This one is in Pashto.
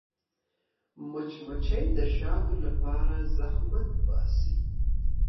مچمچۍ د شاتو لپاره زحمت باسي